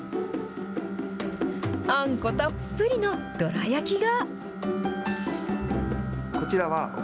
あんこたっぷりのどら焼きが。